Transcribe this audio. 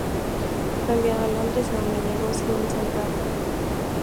Fue enviado a Londres, a donde llegó sin un centavo.